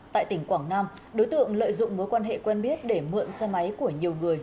tại tỉnh quảng nam đối tượng lợi dụng mối quan hệ quen biết để mượn xe máy của nhiều người